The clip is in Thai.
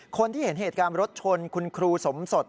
คนที่เห็นเหตุการณ์รถชนคุณครูสมสด